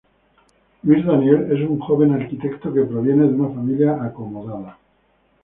Luis Daniel es un joven arquitecto que proviene de una familia acomodada.